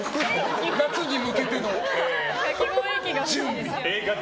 夏に向けての準備。